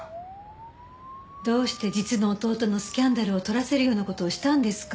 どうして実の弟のスキャンダルを撮らせるような事をしたんですか？